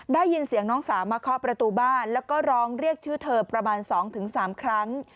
ได้ยินเสียงน้องสาวมาเคาะประตูบ้านแล้วก็ร้องเรียกชื่อเธอประมาณ๒๓ครั้ง